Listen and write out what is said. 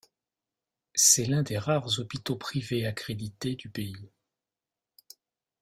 C'est l'un des rares hôpitaux privés accrédités du pays.